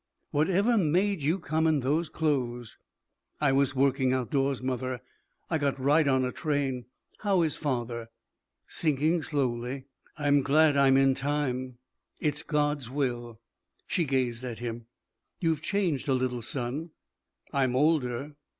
"Whatever made you come in those clothes?" "I was working outdoors, mother. I got right on a train. How is father?" "Sinking slowly." "I'm glad I'm in time." "It's God's will." She gazed at him. "You've changed a little, son." "I'm older."